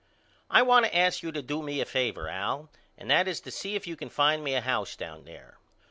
I want to ask you to do me a favor Al and that is to see if you can find me a house down there.